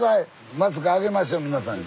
マスクあげましょ皆さんに。